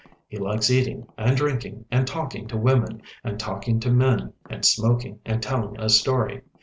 He likes eating and drinking and talking to women and talking to men and smoking and telling a story.